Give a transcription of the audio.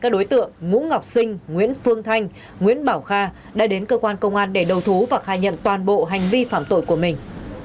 các đối tượng ngũ ngọc sinh nguyễn phương thanh nguyễn bảo kha đã đến cơ quan công an để đầu thú và khai nhận toàn bộ hành vi phạm tội của mình